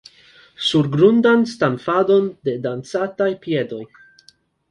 Surgrundan stamfadon de dancantaj piedoj.